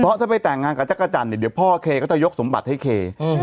เพราะถ้าไปแต่งงานกับจักรจันทร์เนี่ยเดี๋ยวพ่อเคก็จะยกสมบัติให้เค